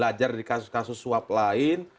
ajar di kasus kasus suap lain